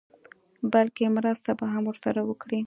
بلکې مرسته به هم ورسره وکړي.